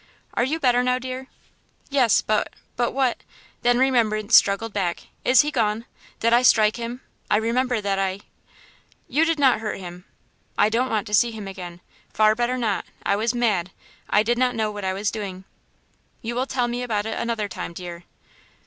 "Are you better now, dear?" "Yes, but but what " Then remembrance struggled back. "Is he gone? Did I strike him? I remember that I " "You did not hurt him." "I don't want to see him again. Far better not. I was mad. I did not know what I was doing." "You will tell me about it another time, dear."